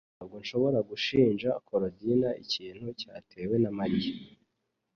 Ntabwo nshobora gushinja Korodina ikintu cyatewe na Mariya